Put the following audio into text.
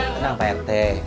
tenang pak rt